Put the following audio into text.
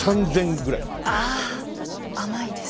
ああ甘いです。